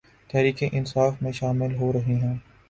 تحریک انصاف میں شامل ہورہےہیں